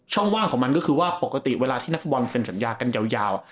ว่างของมันก็คือว่าปกติเวลาที่นักฟุตบอลเซ็นสัญญากันยาว